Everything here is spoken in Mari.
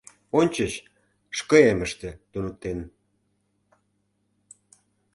Ончыч ШКМ-ште туныктен.